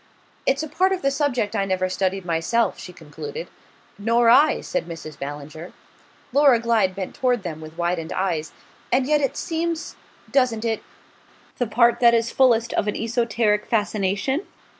"It's a part of the subject I never studied myself/," she concluded. "Nor I," said Mrs. Ballinger. Laura Glyde bent toward them with widened eyes. "And yet it seems doesn't it? the part that is fullest of an esoteric fascination?"